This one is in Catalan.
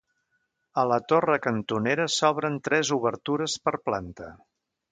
A la torre cantonera s'obren tres obertures per planta.